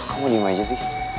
kamu diam aja sih